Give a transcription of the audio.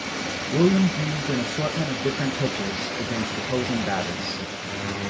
Williams used an assortment of different pitches against opposing batters.